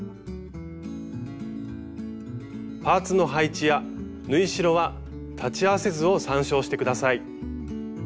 パーツの配置や縫い代は裁ち合わせ図を参照して下さい。